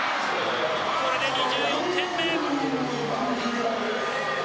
これで２４点目。